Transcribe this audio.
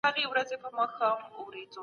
علم واقعيتونه راټولوي او څېړي يې.